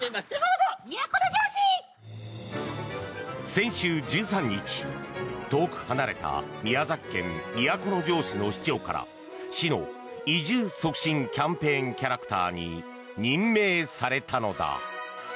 先週１３日、遠く離れた宮崎県都城市の市長から市の移住促進キャンペーンキャラクターに任命されたのだ。